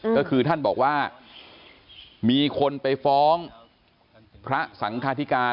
ก็คือท่านบอกว่ามีคนไปฟ้องพระสังคาธิการ